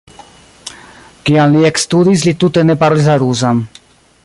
Kiam li ekstudis, li tute ne parolis la rusan.